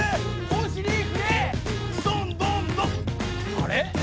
あれ？